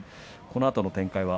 このあとの展開